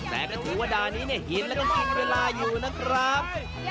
แต่ก็ถือว่าดานี้หินแล้วก็ต้องกินเวลาอยู่นะครับ